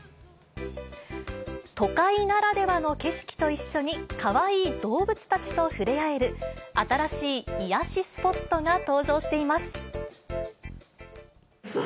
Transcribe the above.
都会ならではの景色と一緒に、かわいい動物たちと触れ合える、新しい癒やしスポットが登場しています。